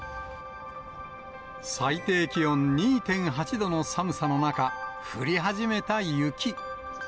最低気温２．８度の寒さの中、降り始めた雪。